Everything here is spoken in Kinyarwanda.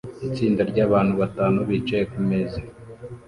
Itsinda ryabantu batanu bicaye kumeza